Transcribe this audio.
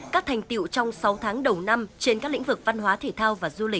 các thành tiệu trong sáu tháng đầu năm trên các lĩnh vực văn hóa thể thao